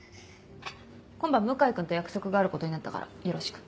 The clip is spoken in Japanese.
今晩向井君と約束があることになったからよろしく。